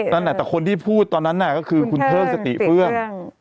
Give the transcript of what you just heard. ตั้งแต่คนที่พูดตอนนั้นก็คือคุณเทิงสติเฟื่อง